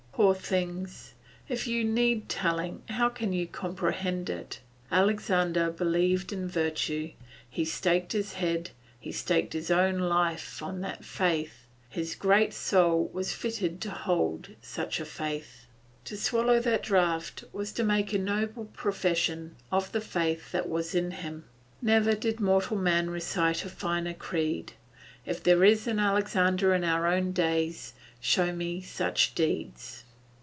Poor things! if you need telling, how can you comprehend it? Alexander believed in virtue, he staked his head, he staked his own life on that faith, his great soul was fitted to hold such a faith. To swallow that draught was to make a noble profession of the faith that was in him. Never did mortal man recite a finer creed. If there is an Alexander in our own days, show me such deeds.